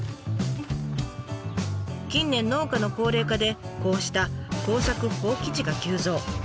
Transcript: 近年農家の高齢化でこうした耕作放棄地が急増。